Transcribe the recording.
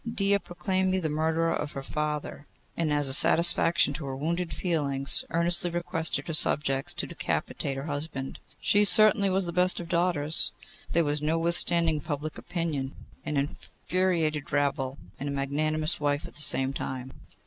Dia proclaimed me the murderer of her father, and, as a satisfaction to her wounded feelings, earnestly requested her subjects to decapitate her husband. She certainly was the best of daughters. There was no withstanding public opinion, an infuriated rabble, and a magnanimous wife at the same time.